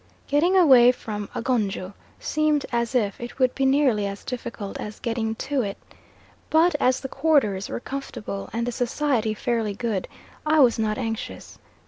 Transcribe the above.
Getting away from Agonjo seemed as if it would be nearly as difficult as getting to it, but as the quarters were comfortable and the society fairly good, I was not anxious.